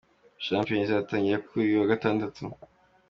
Shampiyona izatangira kuri uyu wa Gatandatu.